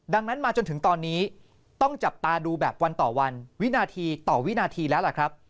ดังนั้นมาจนถึงตอนนี้ต้องจับตาดูแบบวันต่อวันวินาทีต่อวินาทีแล้วล่ะครับ